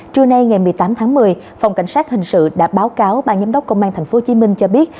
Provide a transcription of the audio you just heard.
trưa nay ngày một mươi tám tháng một mươi phòng cảnh sát hình sự đã báo cáo ban giám đốc công an tp hcm cho biết